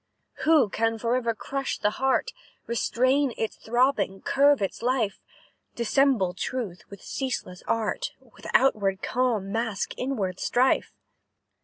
"Who can for ever crush the heart, Restrain its throbbing, curb its life? Dissemble truth with ceaseless art, With outward calm mask inward strife?"